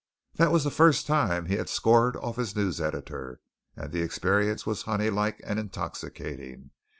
That was the first time he had scored off his news editor, and the experience was honey like and intoxicating.